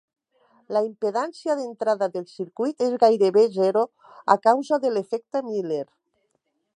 La impedància d'entrada del circuit és gairebé zero a causa de l'efecte Miller.